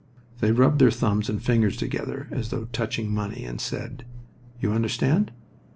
They rubbed their thumbs and fingers together as though touching money and said, "You understand?"